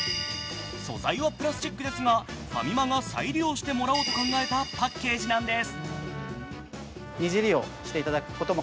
素材はプラスチックですがファミマが再利用してもらおうと考えたパッケージなんです。